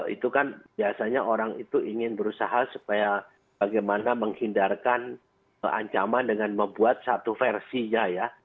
itu kan biasanya orang itu ingin berusaha supaya bagaimana menghindarkan ancaman dengan membuat satu versinya ya